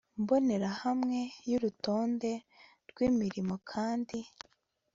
mbonerahamwe y urutonde rw imirimo kandi